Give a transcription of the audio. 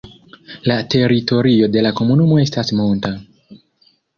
La teritorio de la komunumo estas monta.